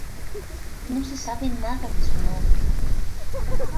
No se sabe nada de su madre.